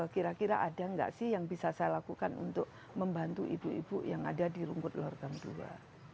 kira kira ada nggak sih yang bisa saya lakukan untuk membantu ibu ibu yang ada di rumput lordan dua